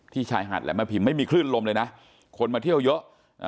ที่ชายหาดและมะพิมพ์ไม่มีคลื่นลมเลยนะคนมาเที่ยวยก